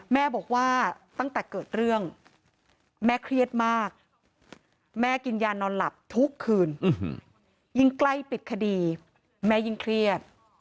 แม่กินยานอนหลับทุกคืนยิ่งใกล้ปิดคดีแม่ยิ่งเครียด